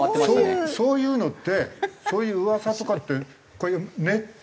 そういうのってそういう噂とかってネットなの？